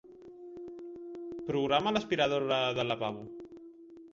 Programa l'aspiradora del lavabo.